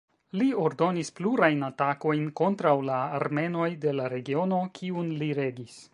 Li ordonis plurajn atakojn kontraŭ la armenoj de la regiono kiun li regis.